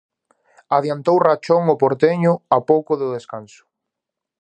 Adiantou rachón ó Porteño a pouco do descanso.